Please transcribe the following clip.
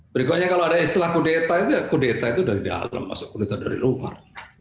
berikutnya kalau ada istilah kudeta itu ya kudeta itu dari dalam masuk kudeta dari luar